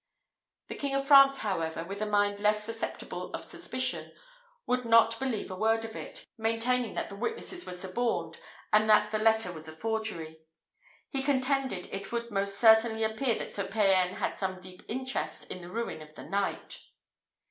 The King of France, however, with a mind less susceptible of suspicion, would not believe a word of it, maintaining that the witnesses were suborned and that the letter was a forgery; and contended it would most certainly appear that Sir Payan had some deep interest in the ruin of the knight.